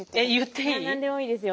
何でもいいですよ。